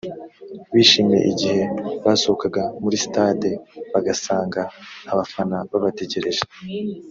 bishimye igihe basohokaga muri sitade bagasanga abafana babategereje